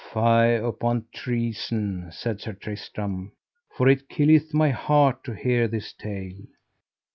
Fie upon treason, said Sir Tristram, for it killeth my heart to hear this tale.